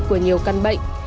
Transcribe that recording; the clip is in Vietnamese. của nhiều căn bệnh